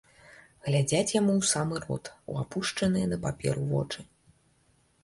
Глядзяць яму ў самы рот, у апушчаныя на паперу вочы.